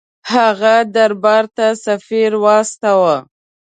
هغه دربار ته سفیر واستاوه.